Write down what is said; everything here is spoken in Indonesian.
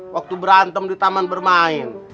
waktu berantem di taman bermain